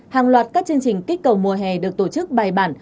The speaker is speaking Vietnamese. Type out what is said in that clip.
hàng loạt các chương trình kích cầu mùa hè được tổ chức bài bản